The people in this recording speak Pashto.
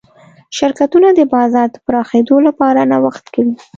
شرکتونه د بازار د پراخېدو لپاره نوښت کوي.